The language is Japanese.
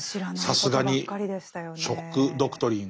さすがに「ショック・ドクトリン」。